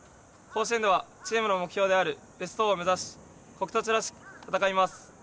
甲子園ではチームの目標であるベスト４を目指し国栃らしく戦います。